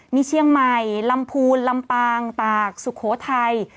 มีเชียงใหม่ลำพูนลำปางตากสุโขทัย